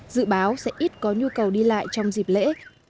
dự báo sẽ ít có nhu cầu đi lại trong dịp lễ